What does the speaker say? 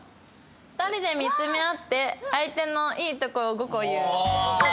「２人で見つめあって相手のいいところを５個言う」